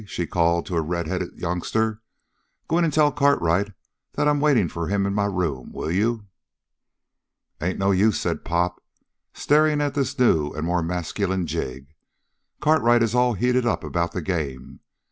she called to a redheaded youngster. "Go in and tell Cartwright that I'm waiting for him in my room, will you?" "Ain't no use," said Pop, staring at this new and more masculine Jig. "Cartwright is all heated up about the game.